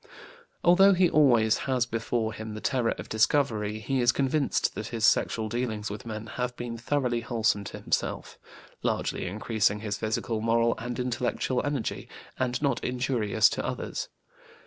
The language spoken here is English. Although he always has before him the terror of discovery, he is convinced that his sexual dealings with men have been thoroughly wholesome to himself, largely increasing his physical, moral, and intellectual energy, and not injurious to others.